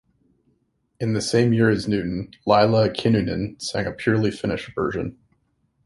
In the same year as Newton, Laila Kinnunen sang a purely Finnish version.